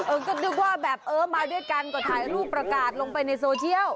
ก็นึกว่าแบบเออมาด้วยกันก็ถ่ายรูปประกาศลงไปในโซเชียล